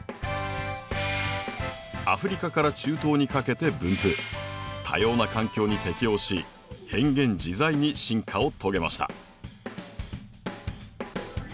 アフリカから中東にかけて分布多様な環境に適応し変幻自在に進化を遂げました。